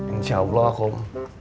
insya allah om